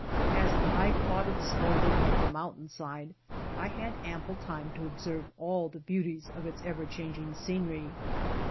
As I plodded slowly up the mountain side, I had ample time to observe all the beauties of its ever changing scenery.